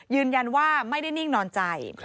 ยืนยันว่าไม่ได้นิ่งนอนใจ